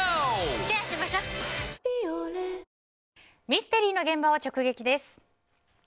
ミステリーの現場を直撃です。